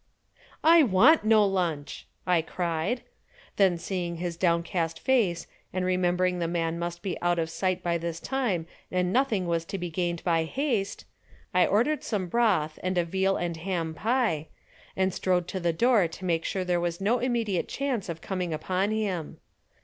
"I want no lunch," I cried. Then seeing his downcast face and remembering the man must be out of sight by this time and nothing was to be gained by haste, I ordered some broth and a veal and ham pie, and strode to the door to make sure there was no immediate chance of coming upon him.